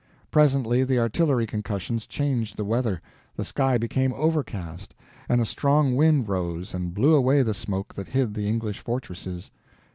Presently the artillery concussions changed the weather. The sky became overcast, and a strong wind rose and blew away the smoke that hid the English fortresses.